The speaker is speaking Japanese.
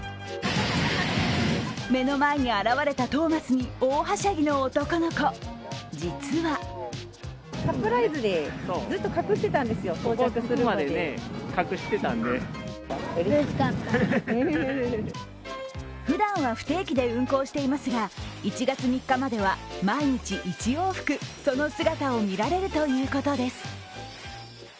目の前に現れたトーマスに大はしゃぎの男の子、実はふだんは不定期で運行していますが１月３日までは毎日１往復、その姿を見られるということです。